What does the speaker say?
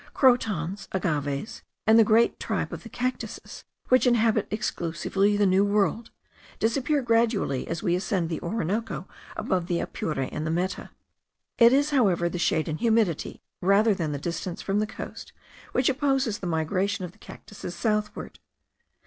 crotons, agaves, and the great tribe of the cactuses, which inhabit exclusively the New World, disappear gradually, as we ascend the Orinoco above the Apure and the Meta. It is, however, the shade and humidity, rather than the distance from the coast, which oppose the migration of the cactuses southward.